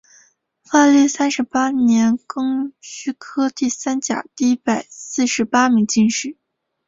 万历三十八年庚戌科第三甲第一百四十八名进士。